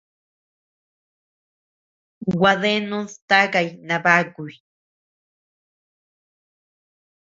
Gua deanud takay nabakuy.